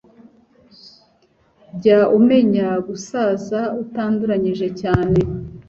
Jya umenya gusaza utanduranyije cyane